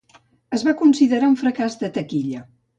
Es va considerar un fracàs de taquilla.